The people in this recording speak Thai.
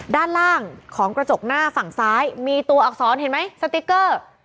ด้านล่างของกระจกหน้าฝั่งซ้ายมีตัวอักษรเห็นไหมสติ๊กเกอร์